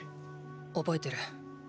覚えてる。